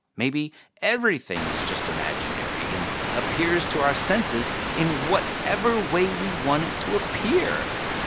Maybe everything is just imaginary, and appears to our senses in whatever way we want it to appear.